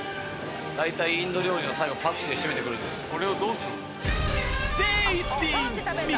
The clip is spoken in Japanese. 大体インド料理の最後パクチーで締めてくるんですよ。